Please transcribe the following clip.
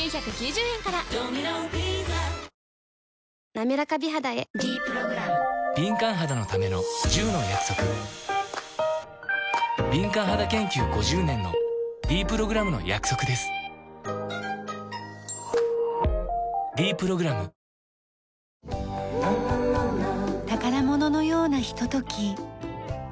なめらか美肌へ「ｄプログラム」敏感肌研究５０年のｄプログラムの約束です「ｄプログラム」宝物のようなひととき。